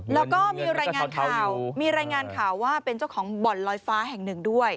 แล้วก็มีรายงานข่าวมีรายงานข่าวว่าเป็นเจ้าของบ่อนลอยฟ้าแห่งหนึ่งด้วย